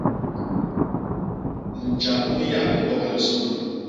Ntja u nya ni mbok yosôna.